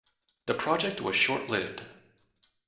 The project was short-lived.